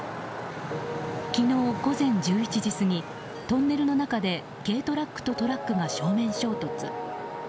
昨日午前１１時過ぎトンネルの中で軽トラックとトラックが正面衝突。